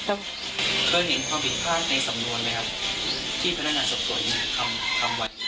แล้วเคยเห็นความผิดพลาดในสำนวนไหมครับที่พนักงานสอบสวนทำไว้